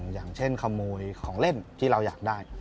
อย่างเช่นขโมยของเล่นที่เราอยากได้